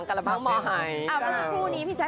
เพราะว่าใจแอบในเจ้า